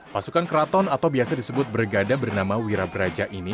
pasukan keraton atau biasa disebut bergada bernama wira braja ini